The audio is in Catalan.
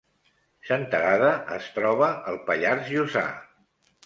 Senterada es troba al Pallars Jussà